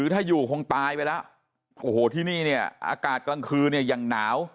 ถ้าอยู่คงตายไปแล้วโอ้โหที่นี่เนี่ยอากาศกลางคืนเนี่ยยังหนาว